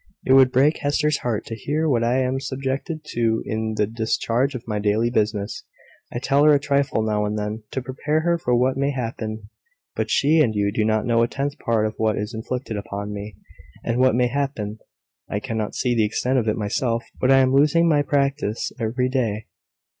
It would break Hester's heart to hear what I am subjected to in the discharge of my daily business. I tell her a trifle now and then, to prepare her for what may happen; but she and you do not know a tenth part, of what is inflicted upon me." "And what may happen?" "I cannot see the extent of it myself: but I am losing my practice every day.